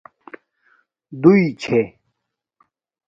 دݸئی چھݺ.